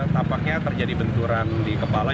tampaknya terjadi benturan di kepala